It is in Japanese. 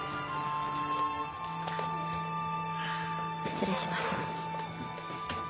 失礼します。